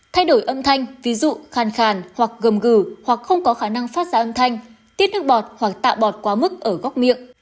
thay đổi âm thanh ví dụ khan hoặc gầm gừ hoặc không có khả năng phát ra âm thanh tiết nước bọt hoặc tạo bọt quá mức ở góc miệng